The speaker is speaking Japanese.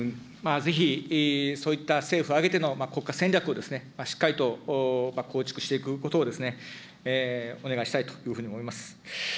ぜひそういった政府を挙げての国家戦略をしっかりと構築していくことをお願いしたいというふうに思います。